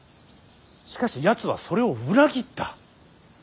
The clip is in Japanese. しかしやつはそれを裏切った。